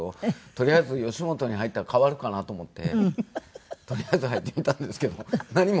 とりあえず吉本に入ったら変わるかなと思ってとりあえず入ってみたんですけど何も変わらずで。